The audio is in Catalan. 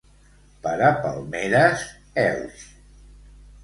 Per a palmeres, Elx.